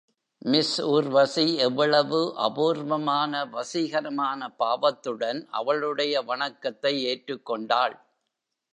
Miss Urvashi எவ்வளவு அபூர்வமான, வசீகரமான பாவத்துடன் அவளுடைய வணக்கத்தை ஏற்றுக்கொண்டாள்?